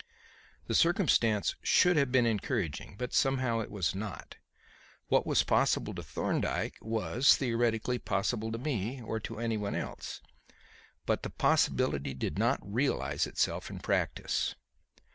The circumstance should have been encouraging. But somehow it was not. What was possible to Thorndyke was, theoretically, possible to me or to anyone else. But the possibility did not realize itself in practice.